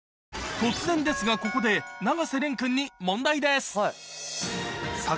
突然ですがここで永瀬廉君に問題です